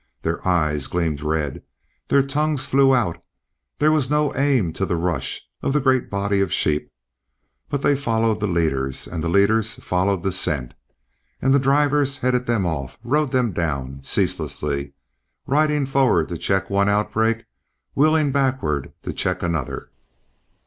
Their eyes gleamed red; their tongues flew out. There was no aim to the rush of the great body of sheep, but they followed the leaders and the leaders followed the scent. And the drivers headed them off, rode them down, ceaselessly, riding forward to check one outbreak, wheeling backward to check another.